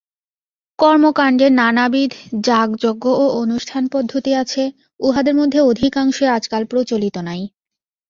কর্মকাণ্ডে নানাবিধ যাগযজ্ঞ ও অনুষ্ঠানপদ্ধতি আছে, উহাদের মধ্যে অধিকাংশই আজকাল প্রচলিত নাই।